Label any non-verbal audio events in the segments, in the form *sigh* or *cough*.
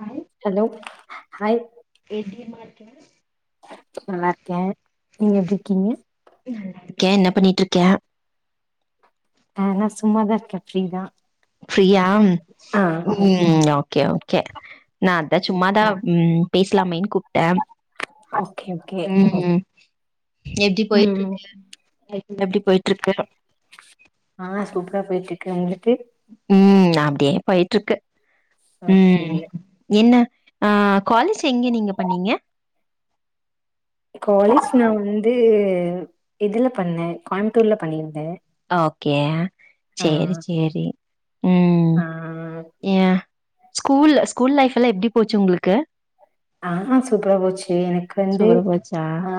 ஐ hello hi எப்டிமா இருக்கீங்க நல்லா இருக்கேன் நீங்க எப்டி இருக்கீங்க ஒகே என்ன பண்ணிட்டு இருக்க ஆ னா சும்மா தா இருக்கே ஃப்ரீதா ஃப்ரீயா ஆ ம் ஓகே ஓகே நா அதா சும்மா தா ம் பேசுலாமேன்னு கூப்டே ஓகே ஓகே ம் எப்டி ம் போயிட்ருக்கு எப்டி போயிட்ருக்கு ஆ சூப்பரா போயிட்ருக்கு உங்ளுக்கு ம் அப்டியே போயிட்ருக்கு ஓகே ம் என்ன அ காலேஜ் எங்க நீங்க பண்ணீங்க காலேஜ் நா வந்து இதுல பண்ணே கோயம்புத்தூர்ல பண்ணியிருந்தேன் ஓகே சேரி சேரி ம் ஆ ஸ்கூல்ல ஸ்கூல் லைஃப் எல்லா எப்டி போச்சு உங்களுக்கு ஆ சூப்பரா போச்சு எனக்கு வந்து சூப்பரா போச்சா ஆ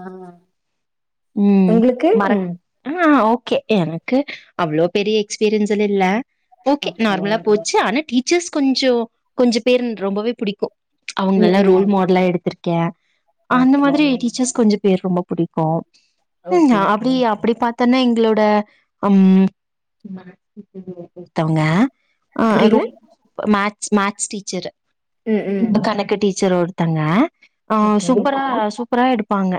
ம் உங்களுக்கு மரக் ம் ஆ ஓகே எனக்கு அவ்ளோ பெரிய எக்ஸ்பீரியன்ஸ்ல இல்ல ஓகே நார்மலா போ ச்சு ஆனா டீச்சர்ஸ் கொஞ்சோ கொஞ்சோ பேர் ரொம்ப புடிக்கும் ம் அவங்களல்லா ரோல் ம் மாடலா எடுத்ருக் கே அந்த ஓகே மாரி டீச்சர்ஸ் கொஞ்ச பேரு ரொம்ப புடிக்கும் ம் ஓகே ஓகே அப்டி அப்டி பாத் தன்னா எங்களோட ம் ஒருத்தவங்க ஆ புரியல ரொம்ப மேக்ஸ் மேக்ஸ் டீச்சரு ம் ம் கணக்கு டீ ச்சர் ஒருத்தங்க அ ஓகே சூப்பரா சூப்பரா எடுப்பாங்க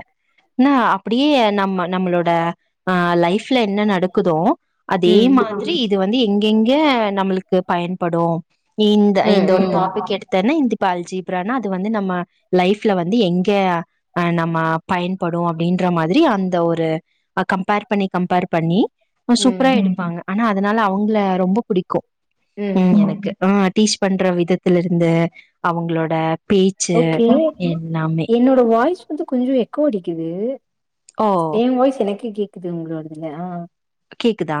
நா அப்டியே நம்ம நம்மளோட ஆ லைஃப்ல என்ன நடக்குதோ அதே ம் மாதிரி இது வந்து எங்கெங்க நம்மளுக்கு பயன்படும் இந்த ம் இந்த ஒரு ம் டாபிக் எடுத்தனா இது ப்பா அல்ஜீப்ரானா அது வந்து நம்ம லைஃப்ல வந்து எங்க அ நம்ம பயன்படு அப்டின்ற மாதிரி அந்த ஒரு கம்பேர் பண்ணி கம்பேர் பண்ணி ம் சூப்பரா எடுப்பாங்க ஆனா அதனால அவுங்கள ரொம்ப புடிக்கும் ம் எனக்கு ஆ டீச் பண்ற விதத்துல இருந்து அவங்களோட பே ச்சு எல்லாமே அப்றோ வாய்ஸ் வந்து கொஞ்சோ எக்கோ அடிக்குது ஓ என் வாய்ஸ் எனக்கே கேக்குது உங்களோடதுலயா கேக்குதா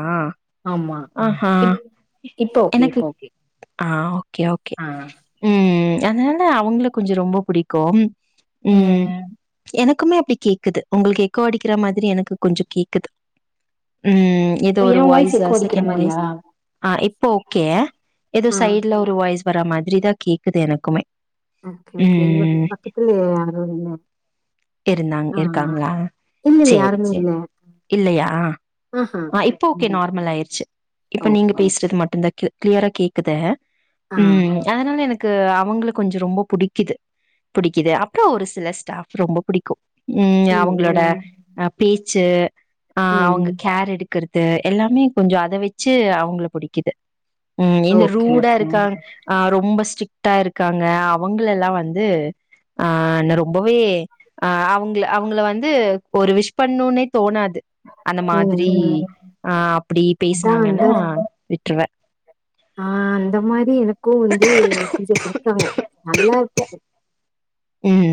ஆஹா இப் இப்ப ஓகே எனக்கு இப்ப ஓகே ஆ ஓகே ஓகே ஆ ம் அதனால அவுங்கள கொஞ்சோ ரொம்ப புடிக்கும் ம் எனக்குமே அப்டி கேக்குது உங்களுக்கு எக்கோ அடிக்கிற மாதிரி எனக்கு கொஞ்சோ கேக்குது ம் எதோ ஏ ஒரு வாய்ஸ் எக்கோ அடிக்கிற செகண்ட் வாய்ஸ் மாரியா ஆ இப்ப ஓகே எதோ ஆ சைட்ல ஒரு வாய்ஸ் வர மாதிரி தா கேக்குது எனக்குமே ஓகே ஓகே இங்க ம். பக்கத்துலயு யாரு இல்ல இருந்தாங் ஆ ஆ. இருக்காங்ளா இல்ல இல்ல சேரி யாருமே சேர் இல்ல இல்லயா ஆஹா ஆ இப்ப ஓகே ம் நார்மல் ஆயிருச்சு இப்ப நீங்க ஓகே பேசுறது மட்டுந்தா கே கிளியரா கேக்குது ஆ ம் அதனால எனக்கு அவங்கள கொஞ்சோ ரொம்ப புடிக்குது புடிக்குது அப்றோ ஒரு சில ஸ்டாஃப் ரொம்ப புடிக்கு ம் அவங்களோட அ பேச்சு ஆ ம் அவங்க கேர் எடுக் கறது எல்லாமே கொஞ்சோ அத வச்சு அவங்கள புடிக்குது ம் இந்த ஓகே ஓகே ரூடாருக்க ஆ ரொம்ப ஸ்ட்ரிக்டா இருக்காங்க அவங்களெல்லா வந்து ஆ நா ரொம்பவே ஆ அவுங்கள அவுங்கள வந்து ஒரு விஷ் பண்ணுனே தோணாது அந்த ம் மாதிரி ம் ஆ அப்டி அதா அந்த பேசுனாங்கன்னா விட்ருவே ஆ அந்த மாரி எனக்கு வந்து டீச்சர்ஸ் இருக்காங்க நல்லாருக்க ம்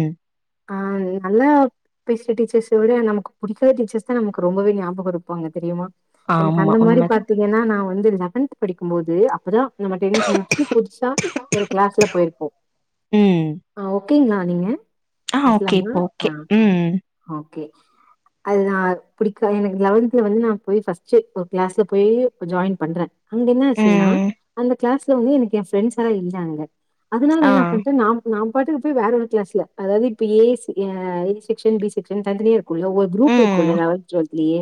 ஆ நல்லா பேசுற டீச்சர்ஸ விட நமக்கு புடிக்காத டீச்சர்ஸ் தா நமக்கு ரொம்பவே ஞாபகோ இருப்பாங்க தெரியுமா எனக்கு ஆமா அந்த மாரி உண்மதா பாத்தீங்கன்னா நா வந்து லெவன்த் படிக்கும்போது அப்பதா நம்ம டென்த் முடிச்சு புதுசா ஒரு கிளாஸ்ல போயிருப்போ ம் ஆ ஓகேங்ளா நீங்க ஆ ஓகே பேசலாமா இப்ப ஓகே ஆ ம் ஓகே அது தா புடிக்காது எனக்கு லெவன்தல வந்து நா போயி ஃபர்ஸ்ட்டு ஒரு கிளாஸ்ல போயி ஜாயின் பண்றே அங்க என்னாச்சுன்னா ம் அந்த கிளாஸ்ல வந்து எனக்கு ஏ ஃப்ரெண்ட்ஸ்லா இல்ல அங்க அதுனால ஆ என்ன பண்ட்டே நா நா பாட்டுக்கு போயி வேற ஒரு கிளாஸ்ல அதாவது இப்ப ஏ செ ஏ செக்ஸன் பி செக்ஸன்னு தனித்தனியா இரு குல்ல ஒரு குரூப் ம் இருக்குல்ல லெவன்த் டுவல்த்லயே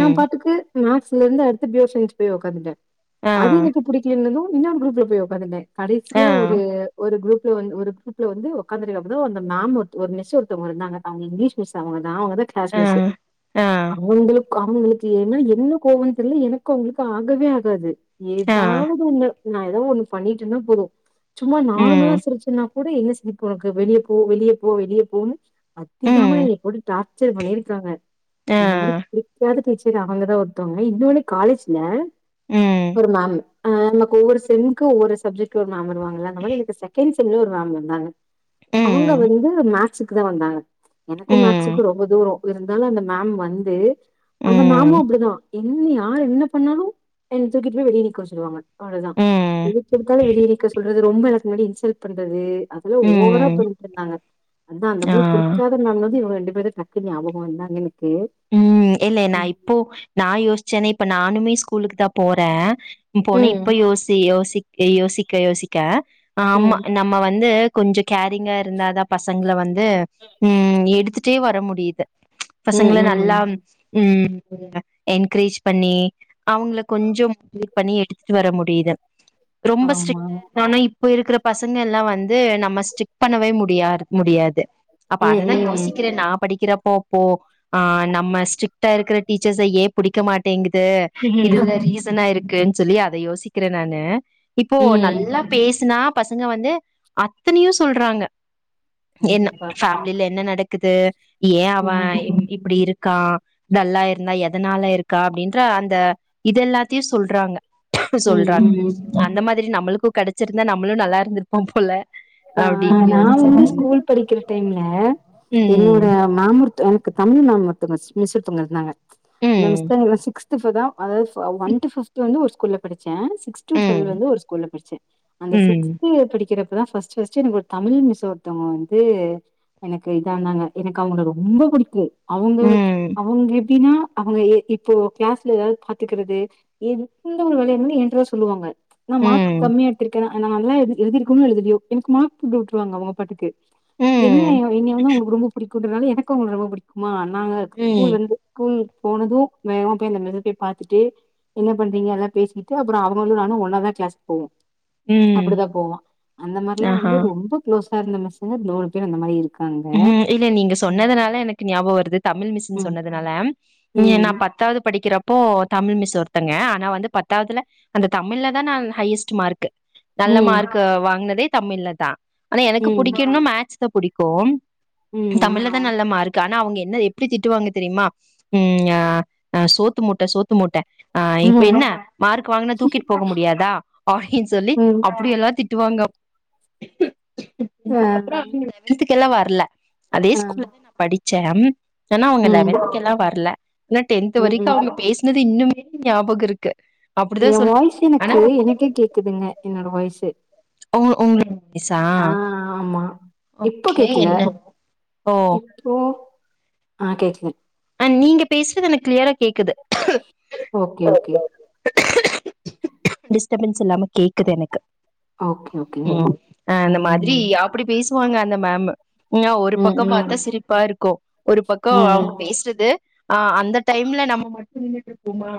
நா பாட்டுக்கு மேக்ஸ்லருந்து அடுத்து பியூர் சைன்ஸ் போய் உக்காந்துட்டே ஆ அது எனக்கு புடிக்கலைன்னா இன்னொரு குரூப்ல போய் உக்காந்துப்பே ஆ கடைசியா ஒரு ஒரு குரூப்ல வந்து ஒரு குரூப்ல வந்து உக்காந்துருக்கே அப்பதா அந்த மேம் ஒரு ஒரு மிஸ் ஒருத்தவங்க இருந்தாங்க அவுங்க இங்கிலீஷ் மிஸ் அவுங்கதா அவுங்கதா கிளாஸ் ஆ மிஸ் ஆ அவுங்களுக்கு ஏ மேல என்ன கோவோன்னு தெரில எனக்கு அவுங்களுக்கு ஆகவே ஆகாது ஆ எதாவது ஒன்னு நா எதோ ஒண்ணு பண்ணிட்ருந்தா போது சும்மா ம் நார்மலா சிரிச்சன்னா கூட என்ன சிரிப்பு ஒனக்கு வெளிய போ வெளிய போ வெளிய போன்னு அதிகமா ம் என்ன போட்டு டார் ச்சர் பண்ணிருக்காங்க ஆ அந்த மாரி புடிக்காத டீச் சர் அவங்கதா ஒருத்தவுங்க இன்னொன்னு காலேஜ்ல ம் ஒரு மேம் ஆ நமக்கு ஒவ்வொரு செம்க்கு ஒவ்வொரு சப்ஜெக்ட்க்கு ஒரு மேம் வருவாங்கல்ல அந்த மாதிரி எனக்கு செகெண்ட் செம்ல ஒரு மேம் வந்தாங்க அவுங்க ம் வந்து மேக்ஸுக்கு தா வந்தாங்க எனக்கு ம் மேக்ஸுக்கு ரொம்ப தூரோ இருந்தாலு அந்த மேம் வந்து அந்த மேமு ம் அப்டிதா என்ன யார் என்ன பண்ணாலு என்ன தூக்கிட்டு போய் வெளிய நிக்க வச்சிருவாங்க அவ்ளதா ம் எதுக்கெடுத்தாலு வெளிய நிக்க சொல்றது ரொம்ப எல்லாத்து முன்னாடியு இன்சல்ட் பண்றது அதெல்லா ஓவரா ம் பண்ணிட்ருந்தாங்க அதா அந்த ஆ மாரி புடிக்காத மேம் வந்து இவங்க ரெண்டு பேரு டக்குனு ஞாபகோ வந்தாங்க இன்னைக்கு ம் இல்ல நா இப்போ நா யோசிச்சேனே இப்ப நானுமே ஸ்கூலுக்கு தா போற போனு இப்ப ம் யோசி யோசிக்க யோசிக்க யோசிக்க ஆமா ம் நம்ம வந்து கொஞ்ச கேரிங்கா இருந்தாதா பசங்கள வந்து ம் எடுத்துட்டே வர முடியிது ம் பசங்கள நல்லா ம். ம் என்கரேஜ் பண்ணி அவுங்கள கொஞ்சம் இது பண்ணி எடுத்துட்டு வர முடியிது ரொம்ப ஆமா ஸ்ட்ரிக்டா இருந்தாலு இப் ப இருக்கிற பசங்க எல்லா வந்து நம்ம ஸ்டிக் பண்ணவே முடியாரு முடியாது அப்ப ம் அததா ம் யோசிக்கிறே நா படிக்கிறப்போப்போ ஆ நம்ம ஸ்ரிக்டா இருக்குற டீச்சர்ஸ ஏ புடிக்க மாட் டேங்குது ம் இதுல்ல ரீசனா இருக்குன் சொல்லி அத யோசிக்கிறே நானு இப்போ ம் நல்லா பேசுனா பசங்க வந்து அத்தனையு சொல்றாங்க என்ன கண்டிப்பா ஃபேமிலில என்ன நடக்குது ஏ அவ ம் இப்டி இருக்கா டல்லா இருந்தா எதனால இருக்கா அப்டின்ற அந்த இதெல்லாத்தையு சொல்றாங்க சொல்றா ம் ம் அந்த மாதிரி நம்மளுக்கு கெடச்சிருந்தா நம்மளு நல்லா இருந்துருப்போ போல ஆ அப்டின்னு நா யோசிச்சே வந்து நானு ஸ்கூல் படிக்கிற டைம்ல ம் என்னோட மேம் ஒருத்த க்கு தமிழ் மேம் ஒருத்தங்க மிஸ் ஒருத்தங்க இருந்தாங்க அந்த ம் மிஸ்தா என சிக்ஸ் துஃபதா அதா ஃப ஒன் டூ ஃபிஃப்த்து வந்து ஒரு ஸ்கூல்ல படிச்சே சிக்ஸ் டூ ட்வெல் ம் வந்து ஒரு ஸ்கூல்ல படிச்சே அந்த ம் சிக்ஸ்த்து படிக்கிறப்பதா ஃபஸ் டு ஃபஸ்ட்டு எனக்கு ஒரு தமிழ் மிஸ் ஒருத்தவ்ங்க வந்து எனக்கு இதாந்தாங்க எனக்கு அவுங்கள ரொம்ப புடிக்கு அவுங்க ம் அவுங்க எ ப்டின்னா அவுங்க எ இப்போ கிளாஸ்ல எதாவ்து பாத்துக்கிறது எந்த ஒரு வேலையா இருந்தாலு ஏன்ட்ட தா சொல்லுவாங்க நா மார்க் ம் காம்மியா எடுத்துர்க்கேனா நால்லா எழுதிருக்கனோ எழுதலயோ எனக்கு மார்க் போட்டுவுட்ருவாங்க அவுங்க பாட்டுக்கு என்ன ம் என்னய வந்து அவுங்களுக்கு ரொம்ப புடிக்குன்றனால எனக்கு அவுங்கள ரொம்ப புடிக்குமா நாங்க ம் ஸ்கூல் வந்து ஸ்கூல் போனது வேகமா போய் அந்த மிஸ்ஸப்பய் பா்த்துட்டு என்ன பண்றீங்க எல்லா பேசிட்டு அப்றொ அவுங்களு நானு ஒன்னா தா கிளாஸ் போவோ ம் அப்புடிதா போவா அந்த மார்லா ஆஹா வந்து ரொம்ப க்ளோஸா இருந்த மிஸ்ஸுங்க *unintelligible* அந்த மாரி இரு ம் இல்ல நீங்க சொன்னதுனால எனக்கு ஞாப வருது தமிழ் மிஸ்ஸுன் ம் சொன்னதுனால நிய நா ம் பத்தாவ்து படிக்கிற ப்போ தமிழ் மிஸ் ஒருத்தங்க ஆனா வந்து பத்தாவ்துல அந்த தமிழ்ல தா நான் ஹையஸ்ட்டு மார்க்கு நல்ல ம் மார்க்கு வாங்னதே தமிழ்ல தா ஆனா எனக்கு புடிக்குன்னா மேக்ஸ் தா புடிக்கு ம் தமிழ்ல தா நல்ல மார்க்கு ஆனா அவுங்க என்ன எப்டி திட்டுவாங்க தெரிமா ம் யா அ சோத்து மூட்ட சோத்து மூட்ட ஆ இப்ப ம் என்ன மார்க் வாங்குனா தூக்கிட்டு போக முடியாதா அப்டின் சொல்லி ம் அப்டியெல்லா திட் டுவாங்க ஆ அதுக்கப்றொ அவுங்க லெவன்த்துக்கெல்லா வர்ல அதே ஆ ஸ்கூல்லதா படிச்சே ஆனா அவுங்க ம் லெவன்த்துக்கெல்லா வர்ல ஆனா டென்த்து ம் வரைக்கு ம் அவுங்க பேசுனது இன்னுமே ஞாபக இருக்கு அப்டிதா ஏ வாய்ஸ் சொல்லுவாங்க ஆனா எனக்கு எனக்கே கேக்குதுங்க என்னோட வாய்ஸு ஓ உங்ளோட‌ வாய்ஸா ஆ ஆமா இப்போ ஓகே என்ன ஓ ஓ ஆ கேக்து ஆ நீங்க பேசுறது எனக் க்ளியரா கேக்குது ஓகே ஓகே டிஸ்டபன்ஸ் இல்லாம கேக்குது எனக்கு ஓகே, ஓகேங்க. ம் ஆ இந்த மாதிரி ம். அ ப்டி பேசுவாங்க அந்த மேமு அ ஒரு ம், பக்கம் பாத்தா ம், சிரிப்பா இருக்கு ஒரு பக்கோ ம், அவுங் பே ம், சுறது அ அந்த டைம்ல நம்ம மட்டு நின்னுட்ருப்போமா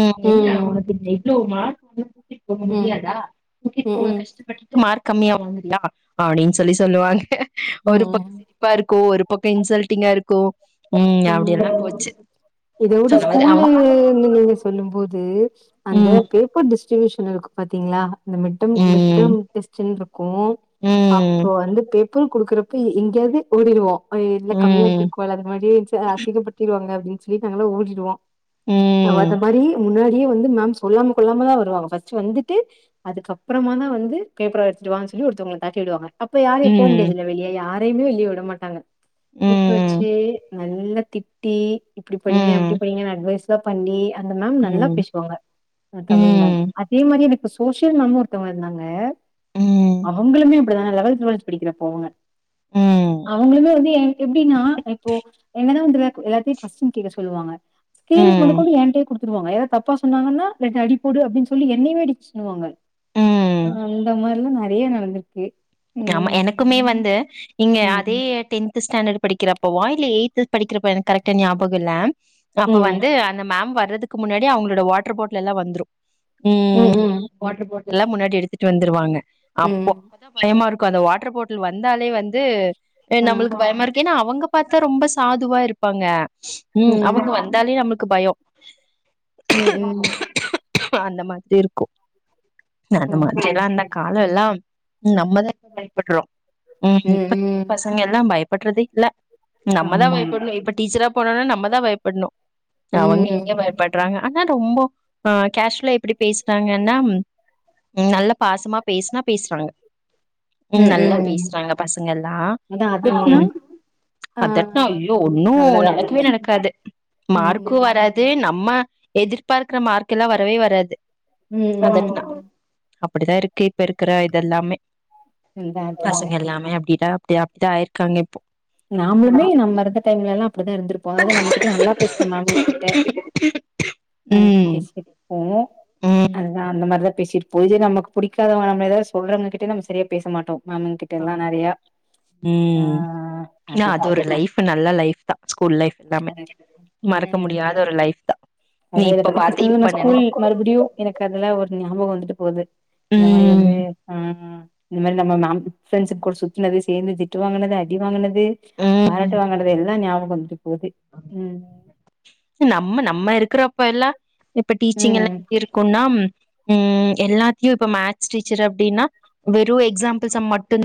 ம் என்ன ஒனக்கு *unintelligible* இல்ல ஒரு மா தூக்கிட் போக ம், முடியாதா தூக்கிட் போக ம், கஷ்டப்பட்டு மார்க் கம்மியா வாங்கிலியா அப்டின் சொல்லி சொல்லுவாங்க ஒரு பக்க ம். சிரி ப்பா இருக்கு ஒரு பக்க இன்சல்ட்டிங்கா இருக்கு ம் அப்டியெல்லா ம் போச்சு இத உட சொன்ன மாரி ஸ்கூல்ல அவங்க இருந்திங்க சொல்லும் போது அந்த ம் பேப்பர் டிஸ்ட்ரிபியூஷன் இருக்கு பாத்தீங்ளா இந்த மிட்டம் ம் மிட்டம் டெஸ்ட்டுன் இருக்கு அப்ப ம் வந்து பேப் போ குடுக்கறப்ப எங்கயாது ஓடிருவோ இல்ல கம்மியா ம் எடுத்துர்கோல்ல அது மாரியே இருந்துச்சே அசிங்க படுத்திரு திட்டுவாங்க அப்புன்னு சொல்லி நாங்கள ஓடிடுவோம் ம் மாதிரி முன்னாடியே வந்து மேம்ச கொல்லாம கொல்லாமதா வருவாங்க ஃர்ஸ்ட் வந்துட்டு அதுக்கப்றமாதா வந்து கைப்படம் பேப்பர் எடுத்துடுவான்னு சொல்லி ஒருத்தவங்களை தாட்டி விடுவாங்க அப்ப யாரையு போ ம் முடியாதுல்ல வெளிய யாரையுமே வெளிய விட மாட்டாங்க கூப்டு ம் வச்சு நல்லா திட்டி இப்படி படிங்க அப்படி ம் படிங்கு அட்வைஸ் பண்ணி அந்த மேம் நல்லா ம் பேசுவங்க தமிழ் மேம் ம் இதே மாரி எனக்கு சோசியல் மேம் ஒருத்தவங்க இருந்தாங்க ம் அவங்களுமே இப்டிதா லெவல்து டுவல்து படிக்கறாப்போ போவேங்க ம் அவங்களுமே எப்டின்னா இப்போ ன்னதா அப்டிதா இருக்கு கொஸ்டின் கேட்க சொல்லுவாங்க்கே ஸ்கேல் ம் முதற்கொண்டு என்கிட்டே குடுத் ரு வாங்க ஏதாவ சொன்னாங்கன்னா ரெண்டு அடி போடு அப்டின் சொல்லி என்னயவே ஆடிக்க சொல்லுவாங்க ம் அந்த மாரிலா நெறைய நடந்திருக்கு ஆமா ம் எனக்குமே வந்து இங்க அதே ம் டென்த் ஸ்டாண்டர்ட் படிக்கிற ப்ப வாய்ட்ல எய்ட்து படிக்கிறப்ப எனக்கு கரெக்டா ஞாபகம்ல்ல அப்ப ம் வந்து அந்த மேம் வர்றதுக்கு முன்னாடி அவங்களோட வாட் ரு பாட்லெல்லா வந்ரு ம் ம் வாட் ரு பாட்ல்லா முன்னாடி எடுத்துட்டு வந்துருவாங்க அப்போ ம் அப்பதா பயமா இருக்கு அந்த வாட்டர் பாட்டில் வந்தாலே வந்து ஆ நம்ளுக்கு பயமா இருக்கு ஏன்னா அவங்க பாத்தா ரொம்ப சாதுவா இருப்பாங்க ம் அவங்க வந்தாலே நம்மக்கு பயம் ம் ம் அந்த மாதிரி இருக்கு அந்த ஓகே மாதிரில்லா அந்த கால எல்லா நம்மதா பயப்படுறோ ம் இப்ப இருக்கிற பசங்க எல்லா பயப்படுறதேஇல்ல நம்மதா ஆமா பயப்பட்ணு இப்ப டீச்சரா போனோனா நம்மதா பயப்பட்ணு அவங்க ம் எங்க பயப்பட் ட்ராங்க ஆனா ரொம்போ அ கேஷ்வலா எப்டி பேசுறாங்கன்னா ம் நல்ல பாசமா பேசுனா பேசுறாங்க ம் நல்லா பேசுறாங்க பசங்க எல்லா அதா அதட்னா ஆ அதட்னா ஐயோ ஒன்னு அவ்ளோதா நடக்கவே நடக்காது மார்க்கு ம் வராது து நம்ம எதிர்பார்க்கிற மார்க்ல்லா வரவே வராது ம் அதட்னா ம் அப்டிதா இருக்கு இப்ப இருக்கிற இதெல்லாமே அதா அதாங்க பசங்க எல்லாமே அப்டிதா அப்டி அப்டிதா ஆயிருக்காங்க இப் நாமளுமே நம்ம இருந்த டைம்லல்லா அப்டிதா இருந்திருப்போ அதாது நம்மள்ட்ட நல்லா பேசுற மேம்ங்கிட்ட அ ம் பேசியிருப்போ ம் அதுதா அந்த மாரிதா பேசிருப் போ இதே நமக்கு புடிக்காதவங்க நம்மள எதாவது சொல்றவங்க கிட்ட நம்ம சரியா பேச மாட்டோ மேம்ங்கி ட்டெல்லா நெறையா ஆ ன்னா அதுதா அது ஒரு லைஃப் நல்ல லைஃப்தா ஸ்கூல் லைஃப் எல்லாமே மறக்க ம் முடியாத ஒரு லைஃப்தா நீ அதா இத இப்ப பத்தி பாத்த பேசுனது நா இப்ப நெனை ஸ்கூல் மறுபடியு எனக்கு அதுலா ஒரு ஞாபக வந்துட்டு போது இந்த மாரி ம் வந்து ம் ம் இந்த மாரி நம்ம மேம் ஃப்ரண்ட்ஸ் கூட சுத்னது சேந்து திட்டு வாங்னது அடி வாங்னது ம் பாராட்டு வாங்கறது எல்லா ஞாபக வந்துட்டு போகுது ம் நம்ம நம்ம இருக்கிறப்ப எல்லா இப்ப டீச்சிங் எல்லா ம் இருக்குன்னா ம் எல்லாத்தையு இப்ப மேக்ஸ் டீச்சர் அப்டின்னா வெறு எக்ஸாம்பிள்ஸ மட்டு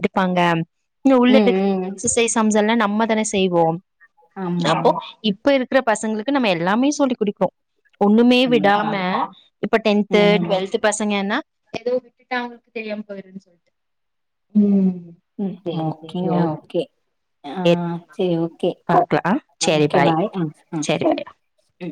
இருப்பாங்க இல்ல உள்ள ம் இருக்குற அந்த ம் எக்ஸஸைஸ் சம் எல்லா நம்ம தான செய்வோ ஆமா அப்போ இப் இப்ப இருக்கற பசங்களுக்கு நம்ம எல்லாமே சொல்லி குடுப்போ ஒண்ணுமே கண்டிப்பா விடாம இப்ப டென்த்து ம் ம் டுவல்த்து பசங்கன்னா எதோ விட்டுட்டா அவுங்களுக்கு தெரியாம போயிருன்னு சொல்ட்டு ம் ம் ஓகேங்க ஓகே ஆ சேரி ஓகே பாக்கலா சேரி ஓகே பாய் ஆ ஆ *unintelligible* ம்